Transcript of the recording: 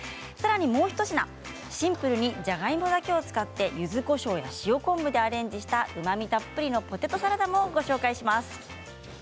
さらにもう一品はシンプルにじゃがいもだけを使ってゆずこしょうや塩昆布でアレンジしたうまみたっぷりのポテトサラダもご紹介します。